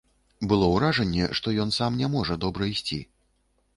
Было ўражанне, што ён сам не можа добра ісці.